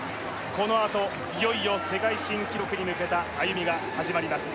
このあといよいよ世界新記録に向けた歩みが始まります